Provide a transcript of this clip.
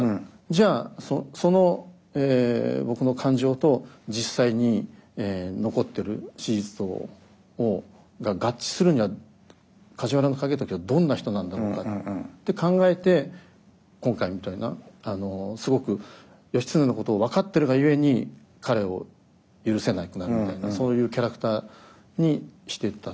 じゃあその僕の感情と実際に残ってる史実が合致するには梶原景時はどんな人なんだろうかって考えて今回みたいなすごく義経のことを分かってるがゆえに彼を許せなくなるみたいなそういうキャラクターにしていった。